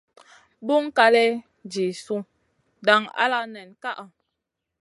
Buŋ kaley jih su dang ala nen kaʼa.